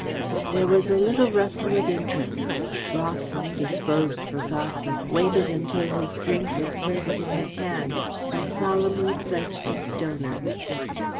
There was a little rustle of interest. Rawson, disposed for gossip, waited until his drink was placed in his hand and solemnly pledged its donor.